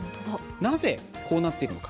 なぜこうなっているのか